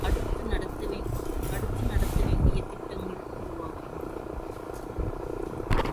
அடுத்து நடத்த வேண்டிய திட்டங்கள் உருவாகும்.